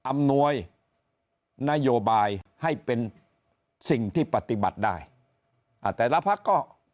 อำนวยนโยบายให้เป็นสิ่งที่ปฏิบัติได้อ่าแต่ละพักก็